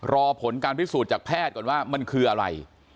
รอผลการพิสูจน์จากแพทย์ก่อนว่ามันคืออะไร